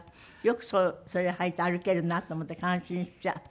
よくそれ履いて歩けるなと思って感心しちゃう。